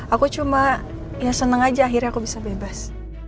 aku cuma ya seneng aja akhirnya aku bisa bebas